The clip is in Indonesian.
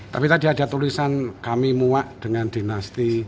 tapi tadi ada tulisan kami muak dengan dinasti